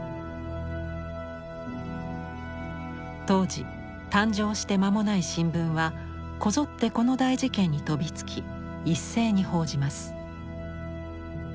当時誕生して間もない新聞はこぞってこの大事件に飛びつき一斉に報じます。